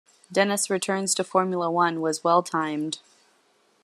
Dennis's return to Formula One was well-timed.